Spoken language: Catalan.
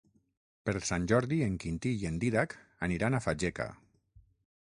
Per Sant Jordi en Quintí i en Dídac aniran a Fageca.